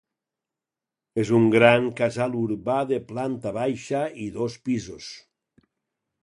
És un gran casal urbà de planta baixa i dos pisos.